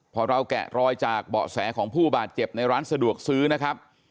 พอเราแกะรอยจากเบาะแสของผู้บาดเจ็บในร้านสะดวกซื้อนะครับ